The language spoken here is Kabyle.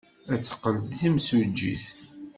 Ad teqqel d timsujjit.